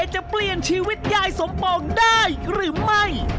จะเปลี่ยนชีวิตยายสมปองได้หรือไม่